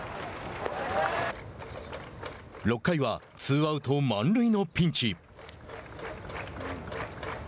６回はツーアウト、満塁のピンチ。